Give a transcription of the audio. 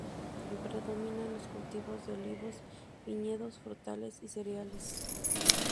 Predominan los cultivos de olivos, viñedos, frutales y cereales.